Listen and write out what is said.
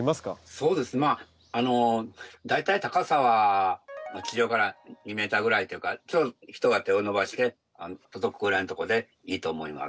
そうですねまあ大体高さは地上から２ｍぐらいというかちょうど人が手を伸ばして届くぐらいのところでいいと思います。